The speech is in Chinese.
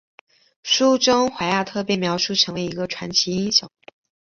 书中怀亚特被描述成为一个传奇英雄。